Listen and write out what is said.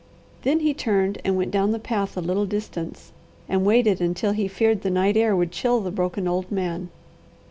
Then he turned and went down the path a little distance and waited until he feared the night air would chill the broken old man.